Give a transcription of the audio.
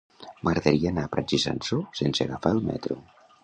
M'agradaria anar a Prats i Sansor sense agafar el metro.